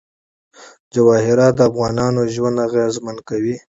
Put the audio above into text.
جواهرات د افغانانو ژوند اغېزمن کوي.